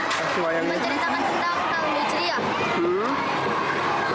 menceritakan tentang tahun hijriyah